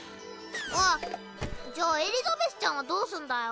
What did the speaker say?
あっじゃあエリザベスちゃんはどうすんだよ？